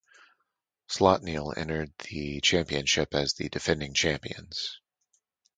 Slaughtneil entered the championship as the defending champions.